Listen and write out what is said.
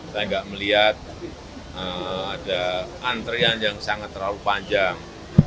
saya tidak melihat ada antrian yang sangat terlalu panjang